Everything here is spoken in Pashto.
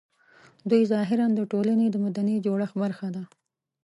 دوی ظاهراً د ټولنې د مدني جوړښت برخه ده